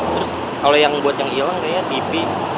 terus kalau yang buat yang hilang kayaknya tv